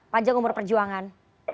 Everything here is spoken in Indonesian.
panjang umur perjuangan